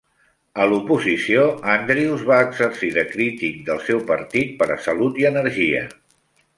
A l'oposició, Andrewes va exercir de crític del seu partit per a Salut i Energia.